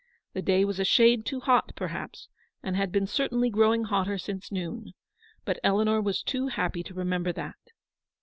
The day was a shade too hot, perhaps, and had been certainly growing hotter since noon, but Eleanor was too happy to remember that.